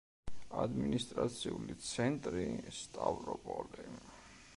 ადმინისტრაციული ცენტრი სტავროპოლი.